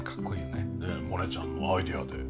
ねえモネちゃんのアイデアで。